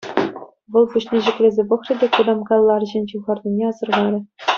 Вӑл пуҫне ҫӗклесе пӑхрӗ те кутамккаллӑ арҫын ҫывхарнине асӑрхарӗ.